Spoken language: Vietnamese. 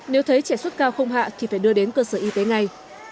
nếu thấy trẻ sốt cao không hạ thì phải đưa đến cơ sở y tế ngay